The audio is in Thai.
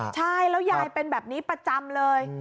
ใช่แล้วยายเป็นแบบนี้ประจำเลย